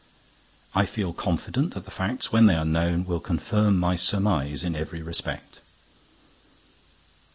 I feel confident that the facts, when they are known, will confirm my surmise in every respect.